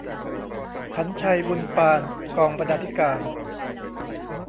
ขรรค์ชัย บุนปาน กองบรรณาธิการ